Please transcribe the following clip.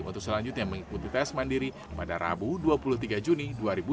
untuk selanjutnya mengikuti tes mandiri pada rabu dua puluh tiga juni dua ribu dua puluh